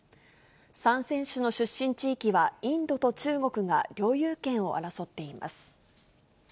３選手の出身地域は、インドと中国が領有権を争っています。